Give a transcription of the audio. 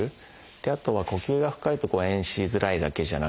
あとは呼吸が深いと誤えんしづらいだけじゃなくて